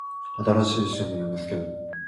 新しい趣味を見つける